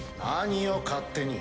何を勝手に。